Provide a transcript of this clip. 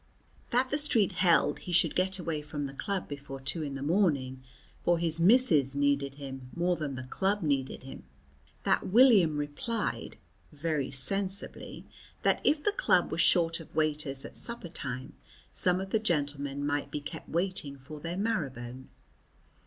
That the street held he should get away from the club before two in the morning, for his missus needed him more than the club needed him. That William replied (very sensibly) that if the club was short of waiters at supper time some of the gentlemen might be kept waiting for their marrow bone.